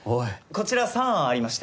こちら３案ありまして。